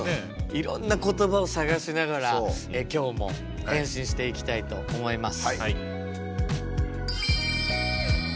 いろんな言葉を探しながら今日も返信していきたいと思います。